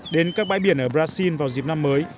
đến các bãi biển ở brazil vào dịp năm mới